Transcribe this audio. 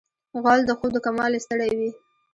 غول د خوب د کموالي ستړی وي.